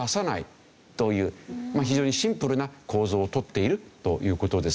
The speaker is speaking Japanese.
非常にシンプルな構図をとっているという事ですね。